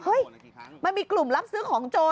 มันมีกลุ่มรับซื้อของโจร